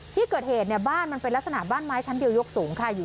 ที่เกิดเหตุเนี่ยบ้านมันเป็นลักษณะบ้านไม้ชั้นเดียวยกสูงค่ะ